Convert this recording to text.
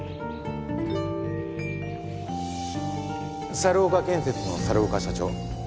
猿岡建設の猿岡社長。